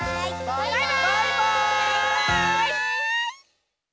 「バイバーイ！」